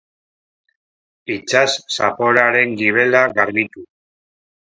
Itsas zapoaren gibela garbitu.